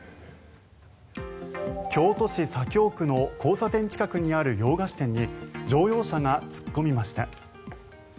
京都市左京区の交差点近くにある洋菓子店に乗用車が突っ込みました。